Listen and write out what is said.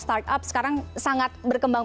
start up sekarang sangat berkembang